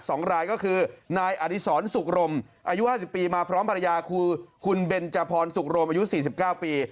สองรายก็คือนายอดิษรสุกรมอายุ๕๐ปีมาพร้อมภรรยาคุณเบนจพรสุกรมอายุ๔๙ปี